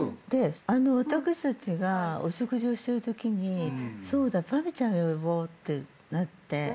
私たちがお食事をしてるときにそうだぱみゅちゃんを呼ぼうってなって。